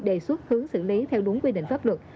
đề xuất hướng xử lý theo đúng quy định pháp luật